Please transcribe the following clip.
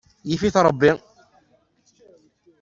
Yif-it Ṛebbi.